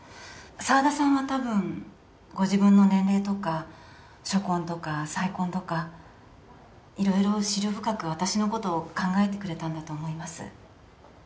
沢田さんはたぶんご自分の年齢とか初婚とか再婚とか色々思慮深く私のことを考えてくれたんだと思います